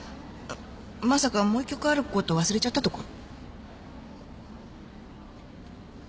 まさかもう１曲あること忘れちゃったとか？